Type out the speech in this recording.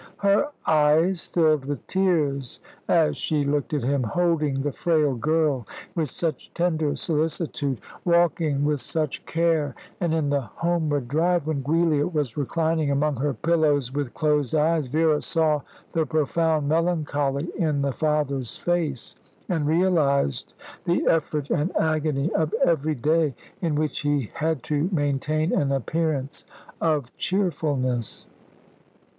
Her eyes filled with tears as she looked at him, holding the frail girl with such tender solicitude, walking with such care; and in the homeward drive, when Giulia was reclining among her pillows with closed eyes, Vera saw the profound melancholy in the father's face, and realised the effort and agony of every day in which he had to maintain an appearance of cheerfulness.